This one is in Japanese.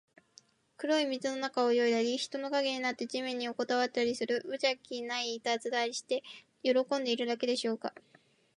黒い水の中を泳いだり、人の影になって地面によこたわったりする、むじゃきないたずらをして喜んでいるだけでしょうか。